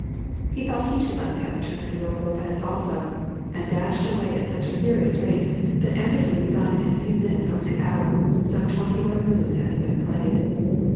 He thought he should like to have a turn at the Ruy Lopez also, and dashed away at such a furious rate, that Anderssen resigned in a few minutes over the hour, some twenty one moves having been played.